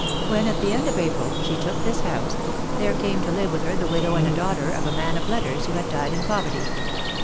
When, at the end of April, she took this house, there came to live with her the widow and daughter of a man of letters who had died in poverty.